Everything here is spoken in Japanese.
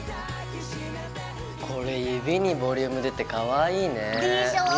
これ指にボリューム出てかわいいね。でしょ！